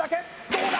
どうだ？